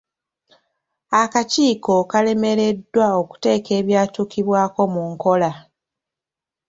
Akikiiko kalemereddwa okuteeka ebyatuukibwako mu nkola.